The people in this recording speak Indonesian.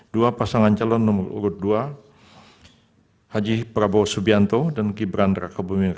dua pasangan calon nomor urut dua haji prabowo subianto dan kibran raka bumin raka rp empat puluh sembilan ratus tujuh puluh satu sembilan ratus enam